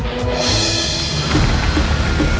aku ingin bahkan